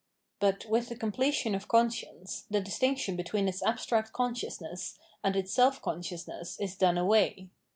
But, with the completion of conscience, the distinction between its abstract con sciousness and its self consciousness is done away.